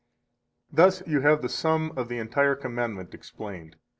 65 Thus you have the sum of the entire commandment explained.